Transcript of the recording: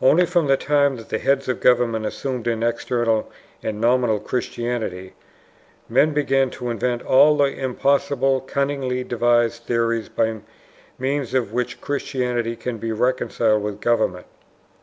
Only from the time that the heads of government assumed an external and nominal Christianity, men began to invent all the impossible, cunningly devised theories by means of which Christianity can be reconciled with government.